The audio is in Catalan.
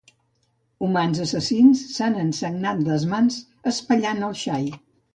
Humans assassins s'han ensagnat les mans espellant el xai.